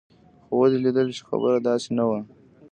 خو ودې ليدل چې خبره داسې نه وه.